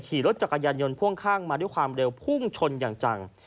ขี่รถจักรยานยนต์พ่วงข้างมาด้วยความเร็วพุ่งชนอย่างจัง